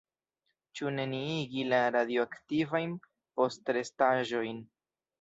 Ĉu neniigi la radioaktivajn postrestaĵojn?